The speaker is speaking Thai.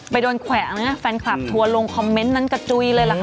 โดนแขวงนะแฟนคลับทัวร์ลงคอมเมนต์นั้นกระจุยเลยล่ะค่ะ